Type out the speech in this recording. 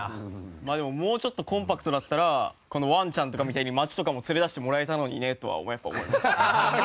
まあでももうちょっとコンパクトだったらワンちゃんとかみたいに街とかも連れ出してもらえたのにねとはやっぱ思いましたけどね。